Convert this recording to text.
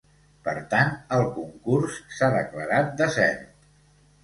Per tant, el concurs s’ha declarat desert.